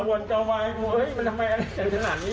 ลักษณะของพี่โบ๊คคือแกยงในนั้นครับ